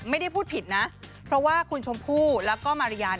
ไม่ได้พูดผิดนะเพราะว่าคุณชมพู่แล้วก็มาริยา